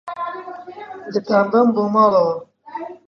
دەتانبەم بۆ ماڵەوە.